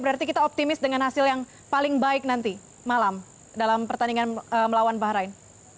berarti kita optimis dengan hasil yang paling baik nanti malam dalam pertandingan melawan bahrain